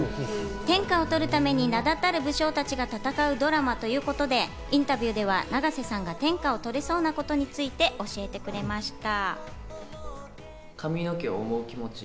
天下を取るために名だたる武将たちが戦うドラマということで、インタビューでは永瀬さんが天下を取れそうなことについて教えてくれました。